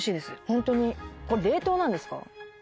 ホントにこれ冷凍なんですか？